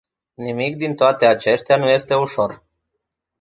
Nimic din toate acestea nu este ușor.